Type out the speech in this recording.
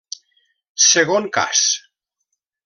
Segon cas.